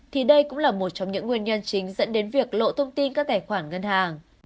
thì đây cũng là một trong những nguyên nhân chính dẫn đến việc lộ thông tin các tài khoản ngân hàng